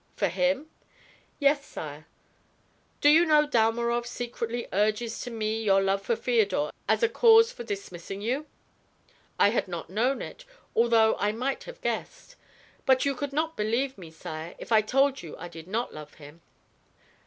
"For him?" "Yes, sire." "Do you know Dalmorov secretly urges to me your love for Feodor as a cause for dismissing you?" "I had not known it, although I might have guessed. But you could not believe me, sire, if I told you I did not love him."